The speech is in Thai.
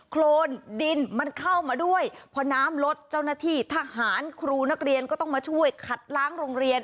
โครนดินมันเข้ามาด้วยพอน้ำลดเจ้าหน้าที่ทหารครูนักเรียนก็ต้องมาช่วยขัดล้างโรงเรียน